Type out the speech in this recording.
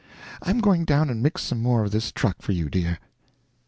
I'm going down and mix some more of this truck for you, dear."